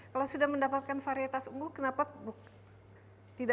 kalau sudah mendapatkan varietas ungu kenapa tidak dipakai terus menerus gitu